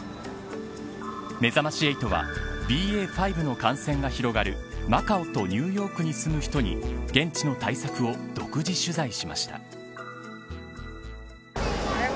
めざまし８はＢＡ．５の感染が広がるマカオとニューヨークに住む人に現地の対策を独自取材しました。